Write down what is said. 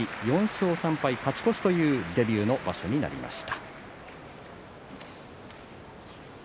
４勝３敗というデビューの場所になりました。